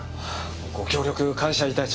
ご協力感謝致します。